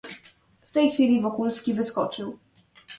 "W tej chwili Wokulski wyskoczył."